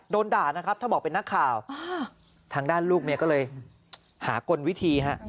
โดนด่านะครับถ้าบอกเป็นนักข่าวทางด้านลูกเมียก็เลยหากลวิธีฮะ